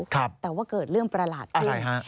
แต่ว่าเกิดเรื่องประหลาดขึ้น